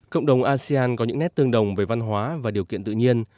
cộng đồng asean có những nét tương đồng về văn hóa và điều kiện tự nhiên